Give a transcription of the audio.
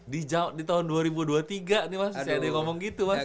di tahun dua ribu dua puluh tiga nih mas saya ada yang ngomong gitu mas